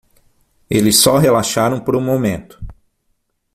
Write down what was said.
Eles só relaxaram por um momento.